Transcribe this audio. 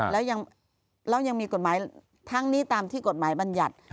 แล้วยังมีกฎหมายทั้งนี้ตามที่กฎหมายบรรยัติ